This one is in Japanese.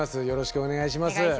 よろしくお願いします。